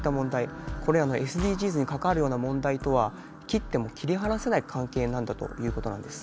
これはＳＤＧｓに関わるような問題とは切っても切り離せない関係なんだということなんです。